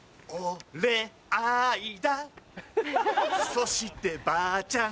そしてばあちゃん